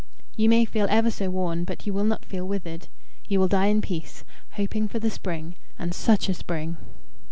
You may feel ever so worn, but you will not feel withered. You will die in peace, hoping for the spring and such a spring!"